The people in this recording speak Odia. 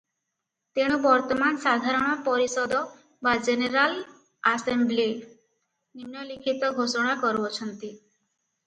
ତେଣୁ ବର୍ତ୍ତମାନ ସାଧାରଣ ପରିଷଦ ବା ଜେନେରାଲ୍ ଆସେମ୍ବ୍ଲି ନିମ୍ନଲିଖିତ ଘୋଷଣା କରୁଅଛନ୍ତି ।